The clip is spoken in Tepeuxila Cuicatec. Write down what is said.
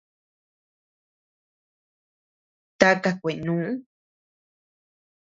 ¿Taka kuenu?